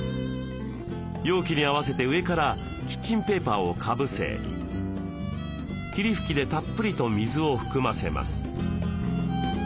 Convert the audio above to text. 容器に合わせて上からキッチンペーパーをかぶせ霧吹きでたっぷりと水を含ませます。